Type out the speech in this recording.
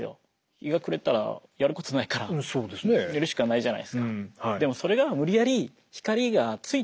日が暮れたらやることないから寝るしかないじゃないですか。